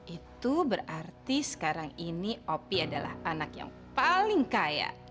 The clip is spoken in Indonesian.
itu berarti sekarang ini opi adalah anak yang paling kaya